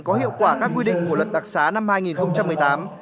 có hiệu quả các quy định của luật đặc xá năm hai nghìn một mươi tám